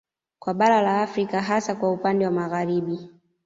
Kwa bara la Afrika hasa kwa upande wa Magharibi